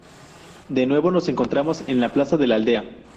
De nuevo nos encontramos en la plaza de la aldea.